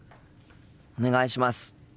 お願いします。